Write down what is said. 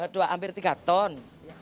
dua hampir tiga ton